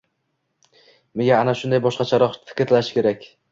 Miya ana shunday boshqacharoq fikrlashi kerak.